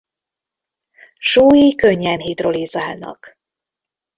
Sói könnyen hidrolizálnak.